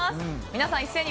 皆さん、一斉に